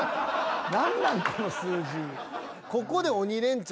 何なんこの数字。